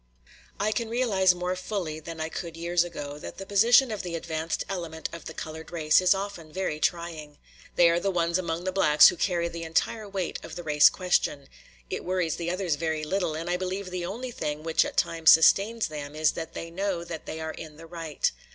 I can realize more fully than I could years ago that the position of the advanced element of the colored race is often very trying. They are the ones among the blacks who carry the entire weight of the race question; it worries the others very little, and I believe the only thing which at times sustains them is that they know that they are in the right.